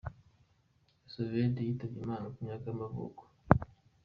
Roosevelt yitabye Imana, ku myaka y’amavuko.